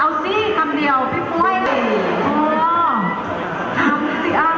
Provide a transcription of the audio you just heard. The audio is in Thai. เอาสิกันเดียวพี่ปุ้ย